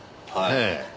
ええ。